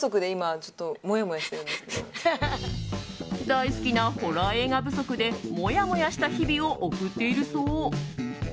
大好きなホラー映画不足でもやもやした日々を送っているそう。